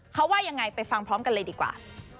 เขาว่ายังไงไปฟังพร้อมกันเลยดีกว่า